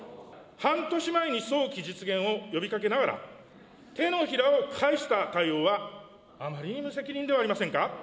半年前に早期実現を呼びかけながら、手のひらを返した対応は、あまりに無責任ではありませんか。